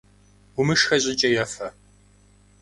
Умышхэ щӏыкӏэ ефэ!